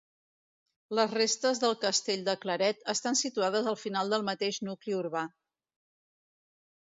Les restes del castell de Claret estan situades al final del mateix nucli urbà.